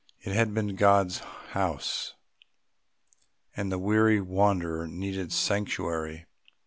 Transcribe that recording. It had been God's house, and the weary wanderer needed sanctuary.